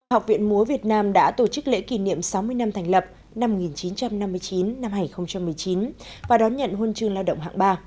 học viện múa việt nam đã tổ chức lễ kỷ niệm sáu mươi năm thành lập năm một nghìn chín trăm năm mươi chín hai nghìn một mươi chín và đón nhận huân chương lao động hạng ba